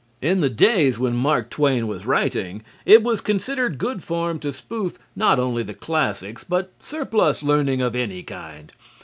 In the days when Mark Twain was writing, it was considered good form to spoof not only the classics but surplus learning of any kind.